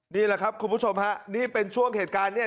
นี่แหละครับคุณผู้ชมฮะนี่เป็นช่วงเหตุการณ์เนี่ย